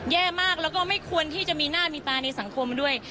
แย่มากแล้วก็ไม่ควรที่จะมีหน้ามีตาในสังคมด้วย